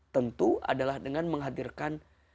tentu adalah dengan menghadirkan